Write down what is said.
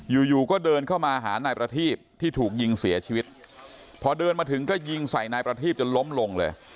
อยู่อยู่ก็เดินเข้ามาหานายประทีบที่ถูกยิงเสียชีวิตพอเดินมาถึงก็ยิงใส่นายประทีบจนล้มลงเลย